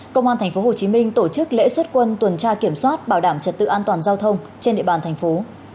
công an tp hcm tổ chức lễ xuất quân tuần tra kiểm soát bảo đảm trật tự an toàn giao thông trên địa bàn thành phố